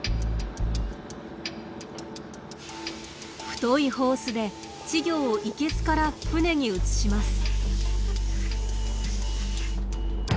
太いホースで稚魚を生けすから船に移します。